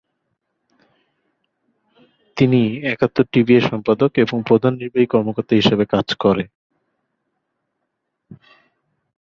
তিনি একাত্তর টিভি এর সম্পাদক এবং প্রধান নির্বাহী কর্মকর্তা হিসাবে কাজ করে।